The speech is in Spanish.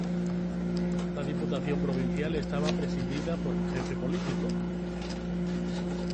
La diputación provincial estaba presidida por el jefe político.